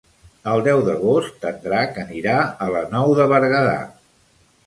El deu d'agost en Drac anirà a la Nou de Berguedà.